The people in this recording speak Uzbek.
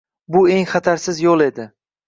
Bu eng xatarsiz yoʻl edi.